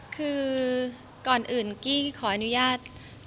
คือก่อนอื่นกี้ขออนุญาต